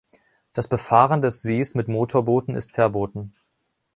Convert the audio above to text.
Das Befahren des Sees mit Motorbooten ist verboten.